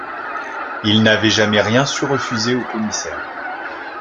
Il n’avait jamais rien su refuser au commissaire